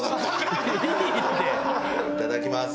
いただきます。